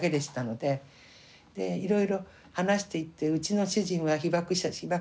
でいろいろ話していってうちの主人は被爆したけどって。